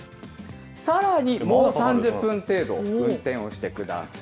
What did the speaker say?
さらにもう３０分程度運転をしてください。